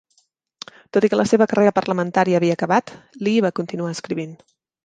Tot i que la seva carrera parlamentària havia acabat, Lee va continuar escrivint.